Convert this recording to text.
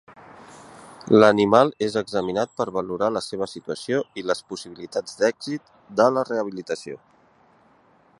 L'animal és examinat per valorar la seva situació i les possibilitats d'èxit de la rehabilitació.